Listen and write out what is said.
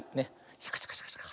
シャカシャカシャカシャカ。